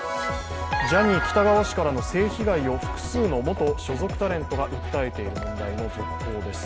ジャニー喜多川氏からの性被害を複数の元所属タレントが訴えている問題の続報です。